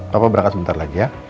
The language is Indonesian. bapak berangkat sebentar lagi ya